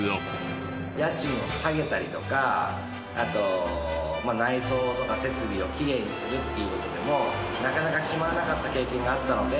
家賃を下げたりとかあと内装とか設備をきれいにするっていう事でもなかなか決まらなかった経験があったので。